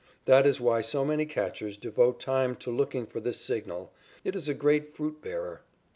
That is why so many catchers devote time to looking for this signal. It is a great fruit bearer.